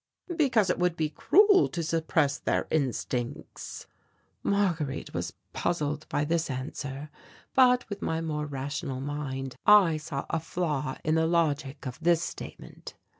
"Because it would be cruel to suppress their instincts." Marguerite was puzzled by this answer, but with my more rational mind I saw a flaw in the logic of this statement.